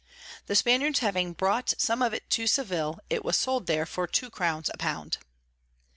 The Spaniards having brought some of it to Seville, it was sold there for two Crowns a pound.